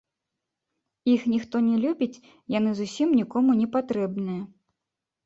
Іх ніхто не любіць, яны зусім нікому не патрэбныя.